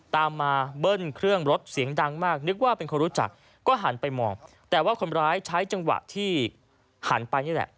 ตามมาเบิ้ลเครื่องรถเสียงดังมากนึกว่าเป็นคนรู้จักก็หันไปมองแต่ว่าคนร้ายใช้จังหวะที่หันไปนี่แหละ